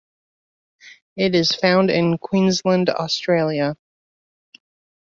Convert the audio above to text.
It is found in Queensland, Australia.